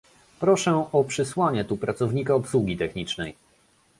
Proszę o przysłanie tu pracownika obsługi technicznej